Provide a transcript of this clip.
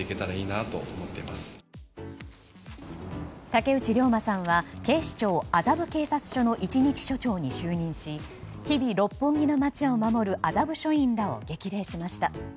竹内涼真さんは警視庁麻布警察署の一日署長に就任し日々、六本木の街を守る麻布署員らを激励しました。